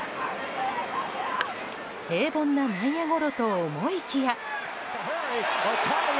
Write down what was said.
平凡な内野ゴロと思いきや。